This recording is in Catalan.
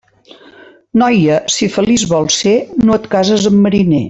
Noia, si feliç vols ser, no et cases amb mariner.